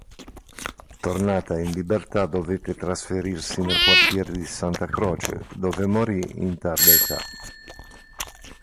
Tornata libertà dovette trasferirsi nel quartiere di Santa Croce dove morì in tarda età.